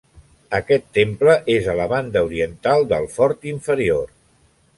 Aquest temple és a la banda oriental del fort inferior.